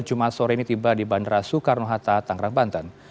jumat sore ini tiba di bandara soekarno hatta tanggerang banten